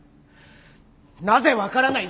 なぜ分からない。